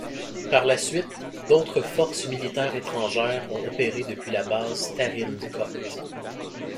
Par la suite d'autres forces militaires étrangères ont opéré depuis la base Tarin Kôt.